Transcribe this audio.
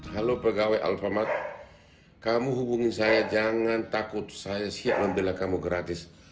halo pegawai alfamart kamu hubungi saya jangan takut saya siap membela kamu gratis